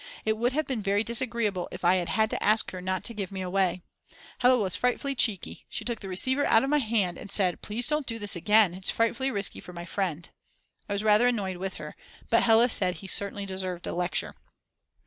It would have been very disagreeable if I had had to ask her not to give me away. Hella was frightfully cheeky, she took the receiver out of my hand and said: "Please don't do this again, it's frightfully risky for my friend." I was rather annoyed with her, but Hella said he certainly deserved a lecture.